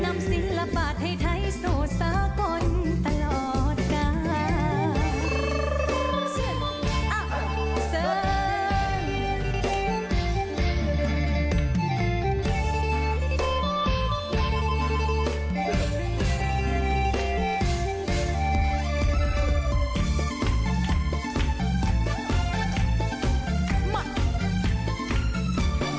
นำศิลปะไทยไทยโสสากลตลอดกาล